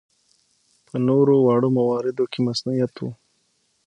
په نورو واړه مواردو کې مصنوعیت و.